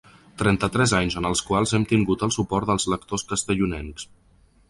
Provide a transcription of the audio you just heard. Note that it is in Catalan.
Trenta-tres anys en els quals hem tingut el suport dels lectors castellonencs.